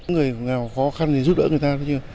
người nào có khó khăn thì giúp đỡ người ta